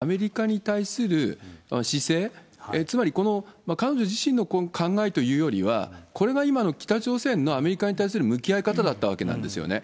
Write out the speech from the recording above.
ただ、この北朝鮮のやっぱりなんていうんでしょうかね、アメリカに対する姿勢、つまりこの彼女自身の考えというよりは、これが今の北朝鮮のアメリカに対する向き合い方だったわけなんですよね。